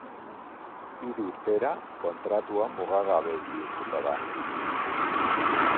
Hiru urtera, kontratua mugagabe bihurtuko da.